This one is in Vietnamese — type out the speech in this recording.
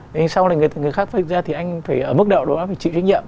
thế nên sau này người khác phát hiện ra thì anh phải ở mức độ đó anh phải chịu trách nhiệm